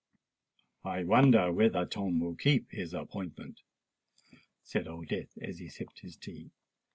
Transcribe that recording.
"I wonder whether Tom will keep his appointment?" said Old Death, as he sipped his tea.